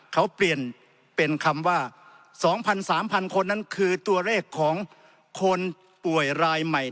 เขาเปลี่ยนเป็นคำว่า๒๐๐๓๐๐คนนั้นคือตัวเลขของคนป่วยรายใหม่